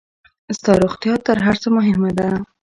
ستا روغتيا تر هر څۀ مهمه ده.